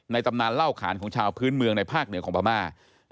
ตำนานเล่าขานของชาวพื้นเมืองในภาคเหนือของพม่า